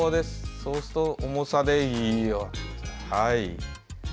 そうすると重さでよいっと。